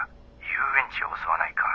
遊園地を襲わないか？